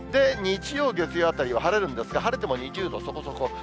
日曜、月曜あたりは晴れるんですが、晴れても２０度そこそこ。